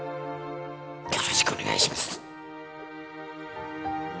よろしくお願いします